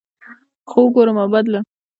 څه وګورم ښه او بد یې له خپل وطن سره مقایسه کوم.